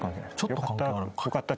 よかった。